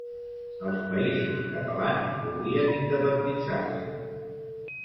Els Països Catalans podrien independitzar-se